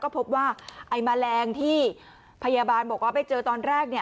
พบว่าไอ้แมลงที่พยาบาลบอกว่าไปเจอตอนแรกเนี่ย